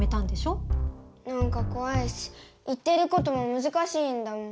なんかこわいし言ってることも難しいんだもん。